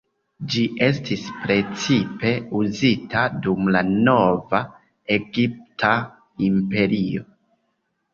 Ĝi estis precipe uzita dum la Nova Egipta Imperio.